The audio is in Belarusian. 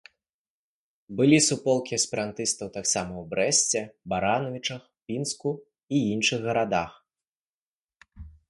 Былі суполкі эсперантыстаў таксама ў Брэсце, Баранавічах, Пінску і ў іншых гарадах